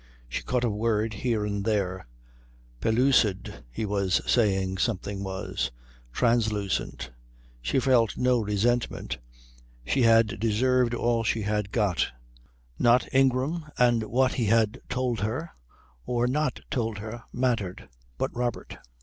She caught a word here and there: pellucid, he was saying something was, translucent. She felt no resentment. She had deserved all she had got. Not Ingram and what he had told her or not told her mattered, but Robert.